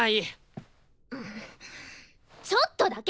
ちょっとだけ！